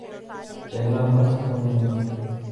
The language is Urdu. چہر ہ مسخ ہونے میں۔